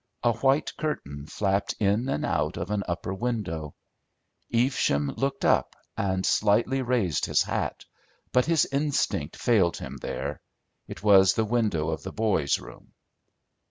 A white curtain flapped in and out of an upper window. Evesham looked up and slightly raised his hat, but his instinct failed him there, it was the window of the boys' room.